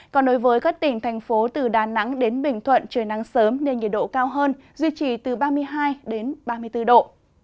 còn đối với các tỉnh thành phố từ đà nẵng đến bình thuận trời nắng sớm nên nhiệt độ cao hơn duy trì từ ba mươi hai ba mươi bốn độ